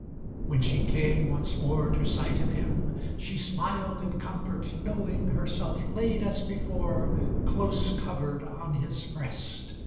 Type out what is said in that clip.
When she came once more To sight of him, she smiled in comfort knowing Herself laid as before Close covered on his breast.